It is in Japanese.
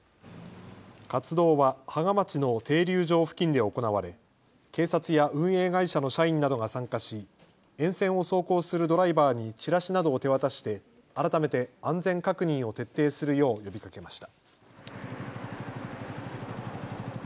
活動は芳賀町の停留場付近で行われ警察や運営会社の社員などが参加し沿線を走行するドライバーにチラシなどを手渡して改めて安全確認を徹底するよう呼びかけました。